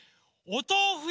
おとうふ？